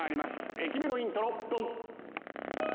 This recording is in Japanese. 駅メロイントロドン。